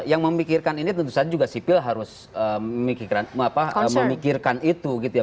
yang memikirkan ini tentu saja juga sipil harus memikirkan itu gitu ya